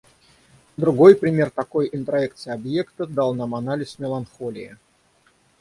Другой пример такой интроекции объекта дал нам анализ меланхолии.